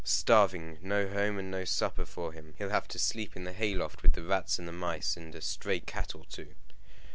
"Starving. No home and no supper for him! He'll have to sleep in the hay loft with the rats and mice, and a stray cat or two."